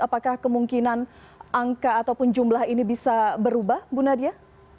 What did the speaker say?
apakah kemungkinan angka ataupun jumlah ini bisa berubah bu nadia